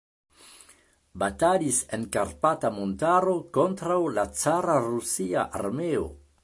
Batalis en Karpata montaro kontraŭ la cara rusia armeo.